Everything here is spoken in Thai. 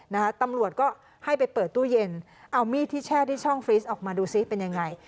ตำรวจก็ให้ไปเปิดตู้เย็นเอามีดที่แช่ที่ช่องฟรีสออกมาดูซิเป็นยังไง